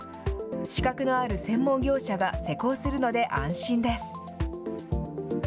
資格のある専門業者が施工するので安心です。